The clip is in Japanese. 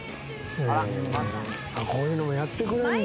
こういうのもやってくれるんだ！